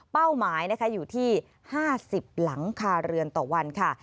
หมายนะคะอยู่ที่๕๐หลังคาเรือนต่อวันค่ะ